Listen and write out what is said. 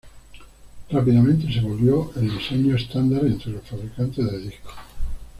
Rápidamente se volvió el diseño estándar entre los fabricantes de discos.